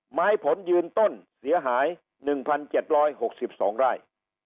หมายผลยืนต้นเสียหาย๑๗๖๒ไร่